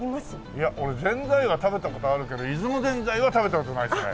いや俺ぜんざいは食べた事あるけど出雲ぜんざいは食べた事ないですね。